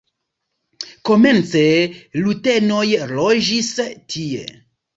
Komence rutenoj loĝis tie.